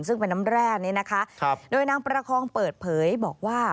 ซึ่งเป็นน้ำแร่นี้นะคะครับโดยนางประคองเปิดเผยบอกว่า